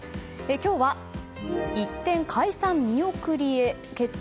今日は、一転解散見送りへ決定